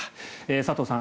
佐藤さん